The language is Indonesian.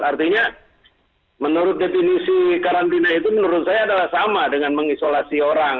artinya menurut definisi karantina itu menurut saya adalah sama dengan mengisolasi orang